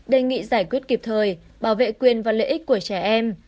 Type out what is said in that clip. đề nghị giải quyết kịp thời bảo vệ quyền và lợi ích của trẻ em